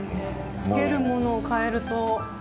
つけるものを変えると。